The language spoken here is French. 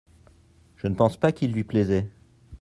je ne pense pas qu'il lui plaisait.